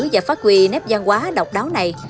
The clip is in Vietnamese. và phát huy nét văn hóa độc đáo này